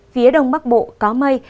phía đông bắc bộ có mây